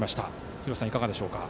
廣瀬さん、いかがですか？